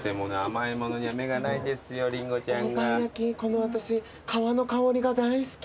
大判焼き私皮の香りが大好き。